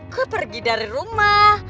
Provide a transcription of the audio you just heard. gue pergi dari rumah